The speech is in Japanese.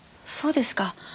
そうですか。